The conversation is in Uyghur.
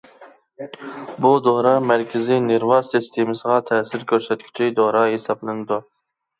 بۇ دورا مەركىزىي نېرۋا سىستېمىسىغا تەسىر كۆرسەتكۈچى دور ھېسابلىنىدۇ.